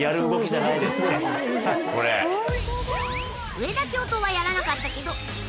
上田教頭はやらなかったけど当然。